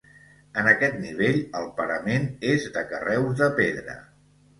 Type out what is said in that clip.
En aquest nivell el parament és de carreus de pedra.